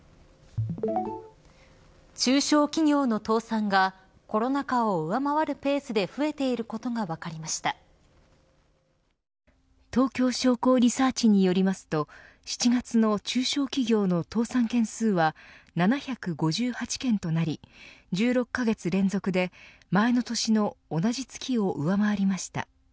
中小企業の倒産がコロナ禍を上回るペースで東京商工リサーチによりますと７月の中小企業の倒産件数は７５８件となり１６カ月連続で前の年の同じ月を上回りました。